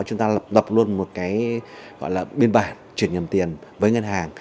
chúng ta lập luôn một cái gọi là biên bản chuyển nhầm tiền với ngân hàng